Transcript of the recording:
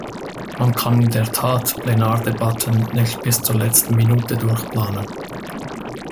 Man kann in der Tat Plenardebatten nicht bis zur letzten Minute durchplanen.